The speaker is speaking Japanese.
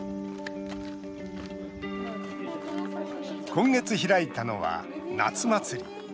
今月開いたのは、夏祭り。